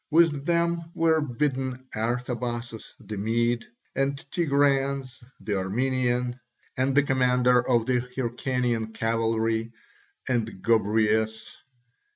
With them were bidden Artabazus the Mede, and Tigranes the Armenian, and the commander of the Hyrcanian cavalry, and Gobryas.